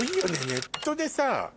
ネットでさ。